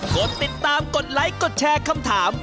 กดติดตามกดไลค์กดแชร์คำถาม